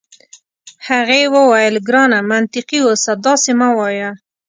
هغې وویل: ګرانه منطقي اوسه، داسي مه وایه.